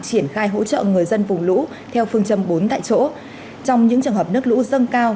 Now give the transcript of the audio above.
triển khai hỗ trợ người dân vùng lũ theo phương châm bốn tại chỗ trong những trường hợp nước lũ dâng cao